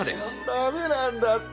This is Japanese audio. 駄目なんだって。